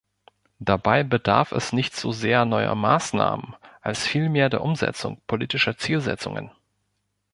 Dabei bedarf es nicht so sehr neuer Maßnahmen, als vielmehr der Umsetzung politischer Zielsetzungen.